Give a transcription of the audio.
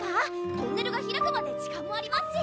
トンネルが開くまで時間もありますし！